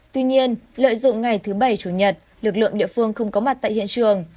tuy nhiên lợi dụng ngày thứ bảy chủ nhật lực lượng địa phương không có mặt tại hiện trường